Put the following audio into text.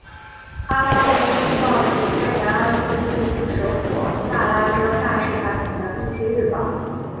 阿拉贡先驱报是西班牙阿拉贡自治区首府萨拉戈萨市发行的地区日报。